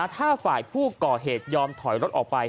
ถ้าฝ่ายผู้ก่อเหตุยอมถอยรถออกไป